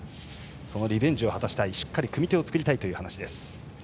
そのリベンジを果たしたいしっかり組み手を作りたいという話です。